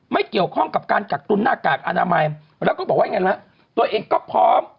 ไม่เกี่ยวข้องกับการกักตุนหน้ากากอนามัยแล้วก็บอกว่ายังไงล่ะตัวเองก็พร้อม